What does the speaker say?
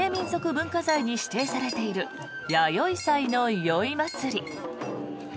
文化財に指定されている弥生祭の宵まつり。